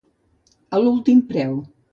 A l'últim preu.